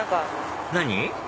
何？